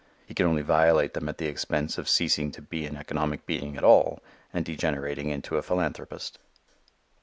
He can only violate them at the expense of ceasing to be an economic being at all and degenerating into a philanthropist.